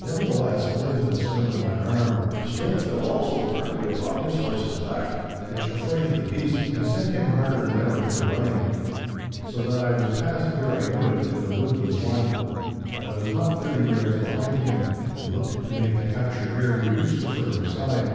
Nevertheless, owing to the swing of my arm, the stroke fell also partly upon his horse's back, which affrighted the beast and set him harder than ever to the running. So that I was passed ere I knew it, and the wood was won. But I was not thirty yards behind him, and looked to make the capture ere we reached the further side.